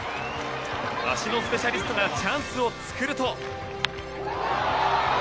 足のスペシャリストがチャンスを作ると。